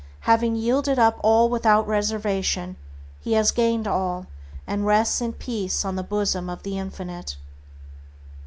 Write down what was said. Having yielded up all without reservation, he has gained all, and rests in peace on the bosom of the Infinite.